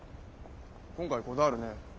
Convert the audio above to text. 今回こだわるね。